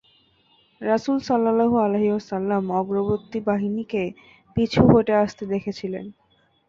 রাসূল সাল্লাল্লাহু আলাইহি ওয়াসাল্লাম অগ্রবর্তী বাহিনীকে পিছু হঁটে আসতে দেখেছিলেন।